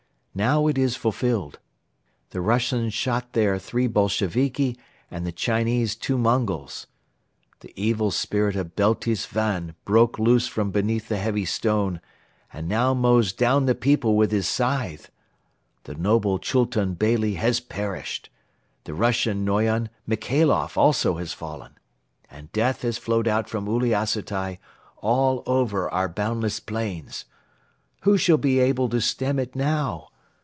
Now it is fulfilled. The Russians shot there three Bolsheviki and the Chinese two Mongols. The evil spirit of Beltis Van broke loose from beneath the heavy stone and now mows down the people with his scythe. The noble Chultun Beyli has perished; the Russian Noyon Michailoff also has fallen; and death has flowed out from Uliassutai all over our boundless plains. Who shall be able to stem it now?